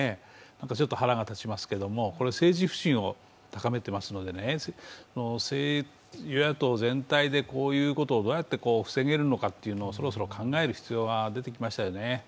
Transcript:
何かちょっと腹が立ちますけれども、政治不信を高めていますので、与野党全体でこういうことをどうやって防げるのかというのをそろそろ考える必要が出てきましうよね。